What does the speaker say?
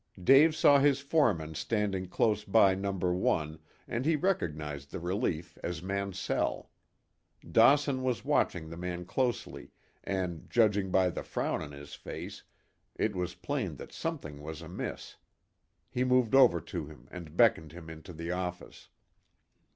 Dave saw his foreman standing close by No. 1, and he recognized the relief as Mansell. Dawson was watching the man closely, and judging by the frown on his face, it was plain that something was amiss. He moved over to him and beckoned him into the office.